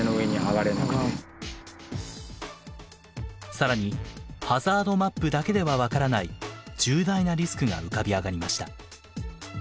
更にハザードマップだけでは分からない重大なリスクが浮かび上がりました。